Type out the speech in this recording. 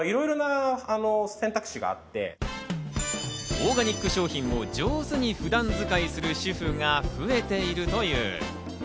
オーガニック商品を上手に普段使いする主婦が増えているという。